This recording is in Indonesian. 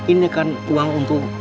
ini kan uang untuk